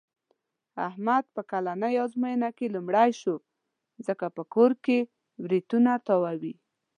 احمد په کلنۍ ازموینه کې لومړی شو. ځکه په کور کې برېتونه تاووي.